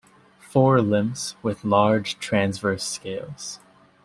Fore limbs with large transverse scales.